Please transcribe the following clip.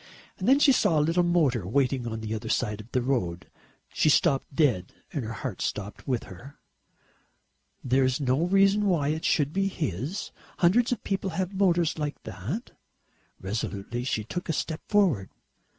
And then she saw a little motor waiting on the other side of the road. She stopped dead and her heart stopped with her. "There is no reason why it should be his. Hundreds of people have motors like that." Resolutely she took a step forward.